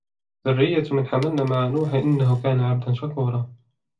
ذرية من حملنا مع نوح إنه كان عبدا شكورا